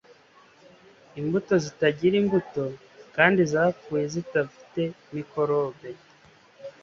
imbuto zitagira imbuto kandi zapfuye zidafite mikorobe